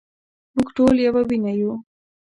مونږ ټول يوه وينه يو